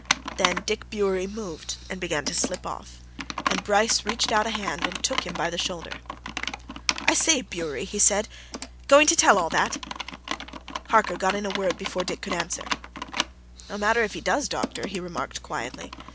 Then Dick Bewery moved and began to slip off, and Bryce reached out a hand and took him by the shoulder. "I say, Bewery!" he said. "Going to tell all that?" Harker got in a word before Dick could answer. "No matter if he does, doctor," he remarked quietly.